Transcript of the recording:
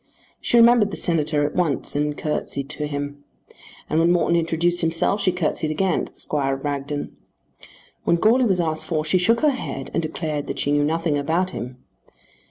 She remembered the Senator at once and curtseyed to him; and when Morton introduced himself she curtseyed again to the Squire of Bragton. When Goarly was asked for she shook her head and declared that she knew nothing about him.